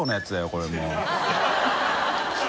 これもう。